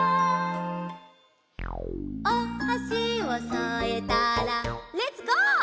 「おはしをそえたらレッツゴー！